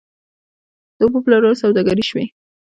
د اوبو پلورل سوداګري شوې؟